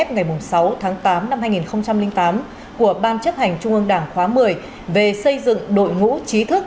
ngày sáu tháng tám năm hai nghìn tám của ban chấp hành trung ương đảng khóa một mươi về xây dựng đội ngũ trí thức